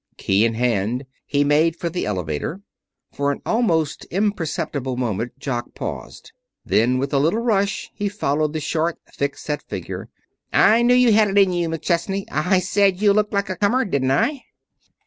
Key in hand, he made for the elevator. For an almost imperceptible moment Jock paused. Then, with a little rush, he followed the short, thick set figure. "I knew you had it in you, McChesney. I said you looked like a comer, didn't I?"